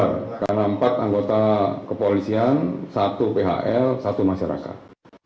karena empat anggota kepolisian satu phl satu masyarakat